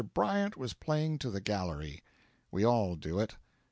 Bryant was playing to the gallery; we all do it.